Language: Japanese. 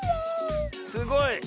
すごい。